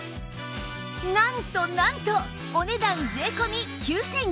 なんとなんとお値段税込９９００円です